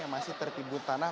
yang masih tertimbun tanah